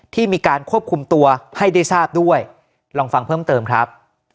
ที่มีการควบคุมตัวให้ได้ทราบด้วยลองฟังเพิ่มเติมครับ